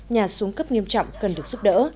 nhà xuống cấp nghiêm trọng cần được giúp đỡ